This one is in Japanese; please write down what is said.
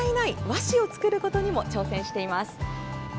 和紙を作ることにも挑戦しています。